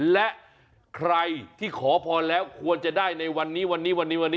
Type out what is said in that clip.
และใครที่ขอพรแล้วควรจะได้ในวันนี้วันนี้